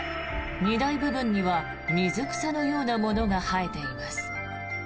荷台部分には水草のようなものが生えています。